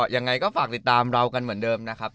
ยังไงก็ฝากติดตามเรากันเหมือนเดิมนะครับ